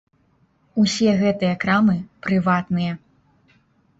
Усе гэтыя крамы прыватныя.